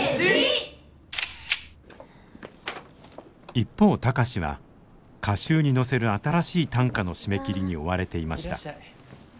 一方貴司は歌集に載せる新しい短歌の締め切りに追われていました。